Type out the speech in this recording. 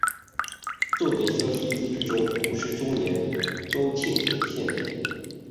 作为湘西自治州五十周年州庆献礼。